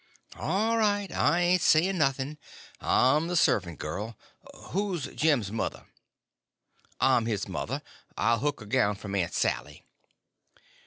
"All right, I ain't saying nothing; I'm the servant girl. Who's Jim's mother?" "I'm his mother. I'll hook a gown from Aunt Sally."